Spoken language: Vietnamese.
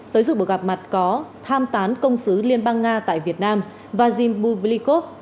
tới dựng buổi gặp mặt có tham tán công sứ liên bang nga tại việt nam và jim bublikov